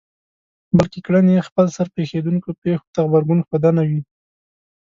بلکې کړنې يې خپلسر پېښېدونکو پېښو ته غبرګون ښودنه وي.